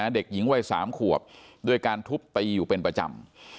เด็กหญิงวัย๓ขวบด้วยการทุบตีอยู่เป็นประจำ